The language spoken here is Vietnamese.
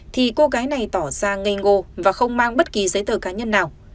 thì cô gái này tỏ ra nghe ngô và không mang bất kỳ giấy tờ cá nhân nào